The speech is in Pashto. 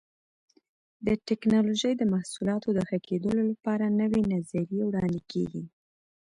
د ټېکنالوجۍ د محصولاتو د ښه کېدلو لپاره نوې نظریې وړاندې کېږي.